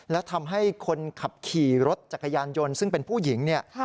และทำให้คนขับขี่รถจักรยานยนต์ซึ่งเป็นผู้หญิงเนี่ย